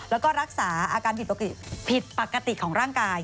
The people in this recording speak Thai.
แล้วก็รักษาอาการผิดปกติผิดปกติของร่างกาย